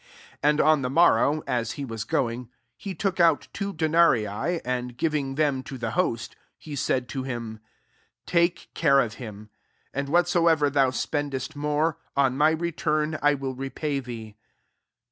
35 "And on the morrow, [a« ht ftHi$ gotng,"] he took out two denarii, and giving them to the host, he said to him, ' Take care of him ; and whatsoever thou spendesc more, on my re turn I will repay thee.'